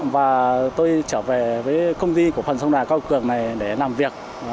và tôi trở về với công ty của phần sông đà cao cường này để làm việc